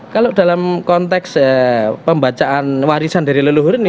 kalau dalam konteks pembacaan warisan dari leluhur ini